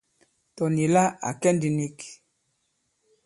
Tɔ̀ nì la à kɛ ndī nik.